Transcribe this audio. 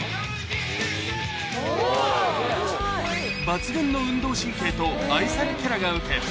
抜群の運動神経と愛されキャラがウケ